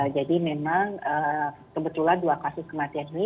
memang kebetulan dua kasus kematian ini